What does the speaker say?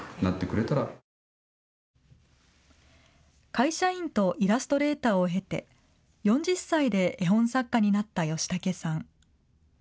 会社員とイラストレーターを経て４０歳で絵本作家になったヨシタケさん。